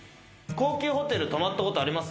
高級ホテル、泊まったことあります？